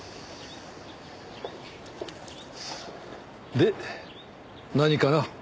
で何かな？